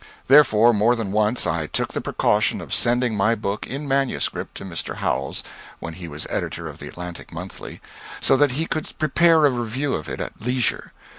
Therefore more than once I took the precaution of sending my book, in manuscript, to Mr. Howells, when he was editor of the "Atlantic Monthly," so that he could prepare a review of it at leisure.